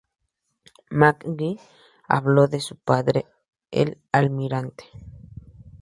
McGee habló de su padre, el Almirante.